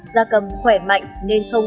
da cầm khỏe mạnh nên không áp dụng